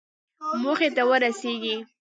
موخې ته ورسېږئ